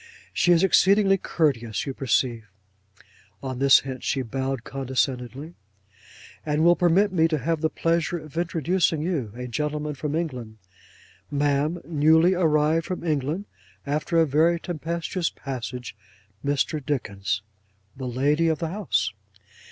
She is exceedingly courteous, you perceive,' on this hint she bowed condescendingly, 'and will permit me to have the pleasure of introducing you: a gentleman from England, Ma'am: newly arrived from England, after a very tempestuous passage: Mr. Dickens,—the lady of the house!